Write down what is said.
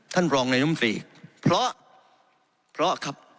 ท่านรองในร่ำตรีเพราะ